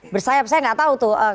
bersayap saya nggak tahu tuh